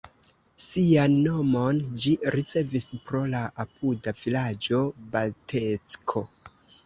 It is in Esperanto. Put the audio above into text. Sian nomon ĝi ricevis pro la apuda vilaĝo Batecko.